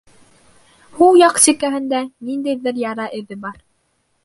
Һул яҡ сикәһендә ниндәйҙер яра эҙе бар.